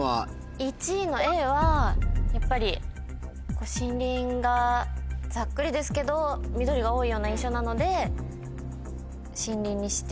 １位のＡはやっぱり森林がざっくりですけど緑が多いような印象なので「森林」にして。